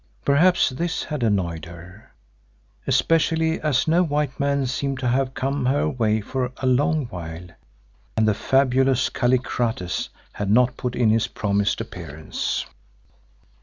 Perhaps this had annoyed her, especially as no white man seemed to have come her way for a long while and the fabulous Kallikrates had not put in his promised appearance.